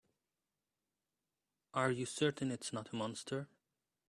Are you certain it's not a monster?